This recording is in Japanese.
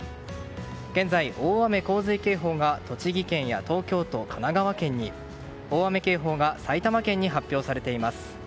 現在、大雨・洪水警報が栃木県や東京都、神奈川県に大雨警報が埼玉県に発表されています。